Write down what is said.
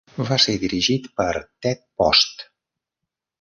Va ser dirigit per Ted Post.